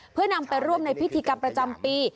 เพื่อนำไปร่วมในพิธีกรรมประจำปี